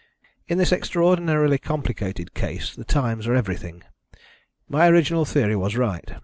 In this extraordinarily complicated case the times are everything. My original theory was right.